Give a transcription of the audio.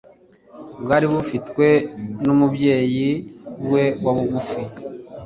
bwari bufitwe n'umubyeyi we wa bugufi.